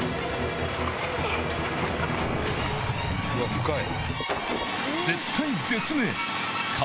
深い！